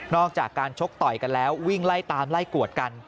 อกจากการชกต่อยกันแล้ววิ่งไล่ตามไล่กวดกัน